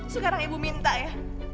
sekarang ibu minta ya